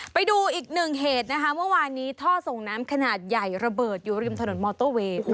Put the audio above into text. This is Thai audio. ไปดูอีกหนึ่งเหตุนะคะเมื่อวานนี้ท่อส่งน้ำขนาดใหญ่ระเบิดอยู่ริมถนนมอเตอร์เวย์